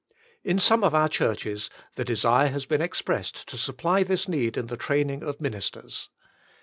In some of our Churches, the desire has been ex pressed to supply this need in the training of ministers.